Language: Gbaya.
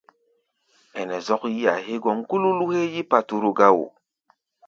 Ɛnɛ zɔ́k yí-a hégɔ́ ŋgúlúlú héé yí-paturu gá wo.